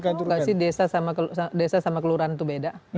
kamu tahu nggak sih desa sama kelurahan itu beda